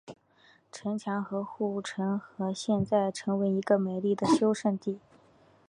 城墙和护城河现在成为一个美丽的休闲胜地。